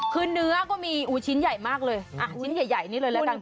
คือเนื้อก็มีชิ้นใหญ่มากเลยอ่ะชิ้นใหญ่นี่เลยแล้วกัน